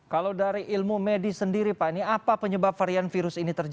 kalau dari ilmu medis sendiri pak ini apa penyebab varian virus ini terjadi